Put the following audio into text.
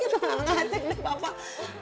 aduh gede bapak